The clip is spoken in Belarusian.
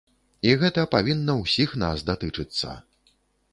І гэта павінна ўсіх нас датычыцца.